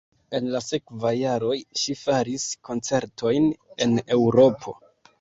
En la sekvaj jaroj ŝi faris koncertojn en Eŭropo.